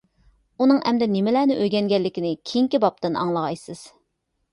ئۇنىڭ ئەمدى نېمىلەرنى ئۆگەنگەنلىكىنى كېيىنكى بابتىن ئاڭلىغايسىز.